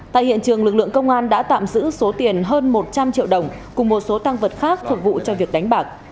tại hiện trường lực lượng công an đã tạm giữ số tiền hơn một trăm linh triệu đồng cùng một số tăng vật khác phục vụ cho việc đánh bạc